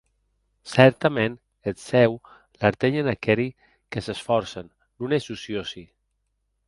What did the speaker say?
Cèrtament eth Cèu l’artenhen aqueri que s’esfòrcen, non es ociosi.